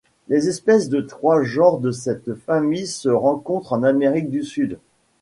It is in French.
Les espèces des trois genres de cette famille se rencontrent en Amérique du Sud.